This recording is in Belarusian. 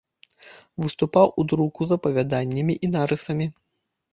Выступаў у друку з апавяданнямі і нарысамі.